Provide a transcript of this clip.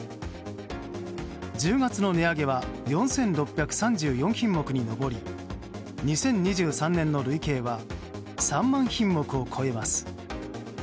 １０月の値上げは４６３４品目に上り２０２３年の累計は３万品目を超えます。